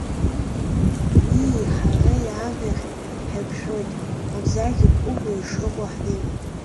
Уии ҳареи амҩахь ҳаиқәшәоит, мамзаргьы Куба ишыҟоу ҳнеиуеит.